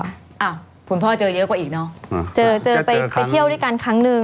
อ้าวคุณพ่อเจอเยอะกว่าอีกเนอะเจอเจอไปไปเที่ยวด้วยกันครั้งหนึ่ง